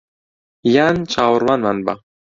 یان چاوەڕوانمان بە